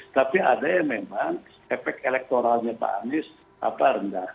tapi ada yang memang efek elektoralnya pak anies rendah